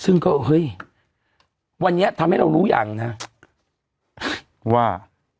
ซึ่งก็เฮ้ยวันนี้ทำให้เรารู้ยังนะว่า